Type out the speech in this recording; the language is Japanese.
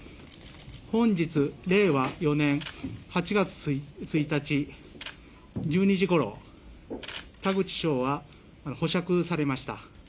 本日令和４年８月１日１２時ごろ、田口翔は保釈されました。